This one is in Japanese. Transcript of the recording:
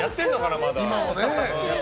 まだ。